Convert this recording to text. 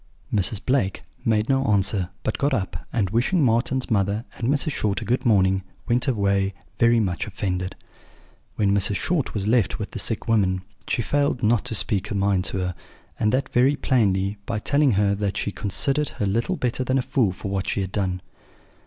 "Mrs. Blake made no answer, but got up, and, wishing Marten's mother and Mrs. Short a good morning, went away very much offended. "When Mrs. Short was left with the sick woman she failed not to speak her mind to her, and that very plainly, by telling her that she considered her little better than a fool for what she had done.